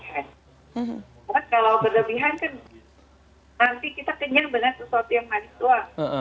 karena kalau berlebihan kan nanti kita kenyang dengan sesuatu yang manis doang